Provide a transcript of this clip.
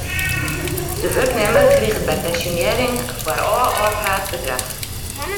De wurknimmer kriget by pensjonearring in foarôf ôfpraat bedrach.